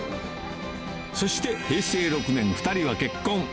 そして平成６年、２人は結婚。